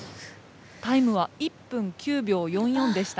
タイムは１分９秒４４でした。